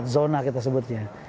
empat zona kita sebutnya